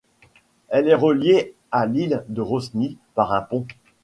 Elle est reliée à l'île de Rosny par un pont.